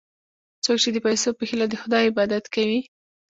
څوک چې د پیسو په هیله د خدای عبادت کوي.